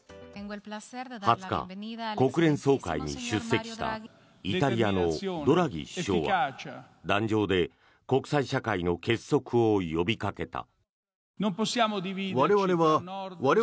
２０日、国連総会に出席したイタリアのドラギ首相は壇上で国際社会の結束を呼びかけた。